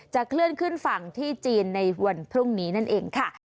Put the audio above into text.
เคลื่อนขึ้นฝั่งที่จีนในวันพรุ่งนี้นั่นเองค่ะ